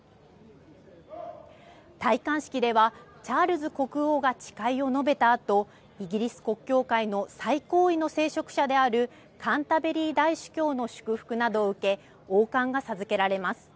戴冠式ではチャールズ国王が誓いを述べたあと、イギリス国教会の最高位の聖職者であるカンタベリー大主教の祝福などを受け、王冠が授けられます。